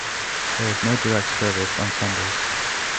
There is no direct service on Sundays.